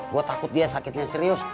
gue takut dia sakitnya serius